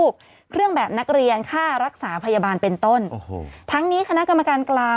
สถานาการทั้งหลาย